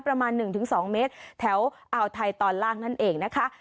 ประมาณหนึ่งถึงสองเมตรแถวอ่าวไทยตอนล่างนั่นเองนะคะ